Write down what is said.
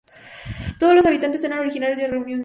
Todos los habitantes eran originarios del Reino Unido.